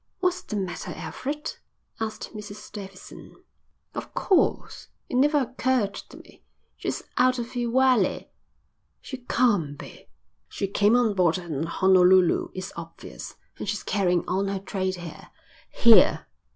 "What's the matter, Alfred?" asked Mrs Davidson. "Of course! It never occurred to me. She's out of Iwelei." "She can't be." "She came on board at Honolulu. It's obvious. And she's carrying on her trade here. Here."